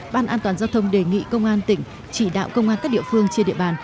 ban an toàn giao thông đề nghị công an tỉnh chỉ đạo công an các địa phương trên địa bàn